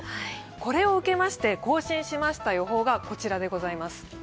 これを受けまして更新しました予報がこちらでございます。